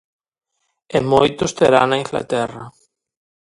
E moitos terá na Inglaterra.